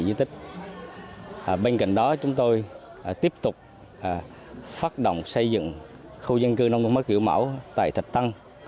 như bên cạnh đó chúng tôi tiếp tục phát động xây dựng khu dân cư nông thôn mới kiểu mẫu tại thạch tăng